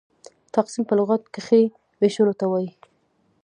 تقسيم په لغت کښي وېشلو ته وايي.